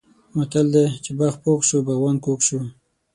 متل دی: چې باغ پوخ شو باغوان کوږ شو.